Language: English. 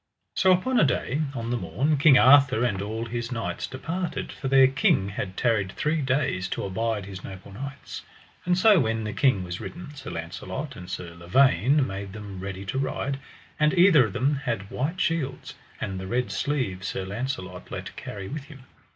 So upon a day, on the morn, King Arthur and all his knights departed, for their king had tarried three days to abide his noble knights. And so when the king was ridden, Sir Launcelot and Sir Lavaine made them ready to ride, and either of them had white shields, and the red sleeve Sir Launcelot let carry with him.